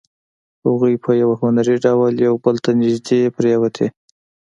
هغوی په یو هنري ډول یو بل ته نږدې پرېوتې